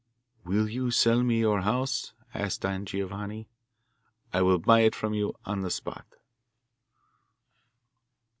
'Will you sell me your house?' asked Don Giovanni. 'I will buy it from you on the spot.